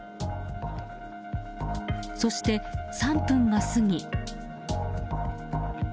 そして３分が過ぎ。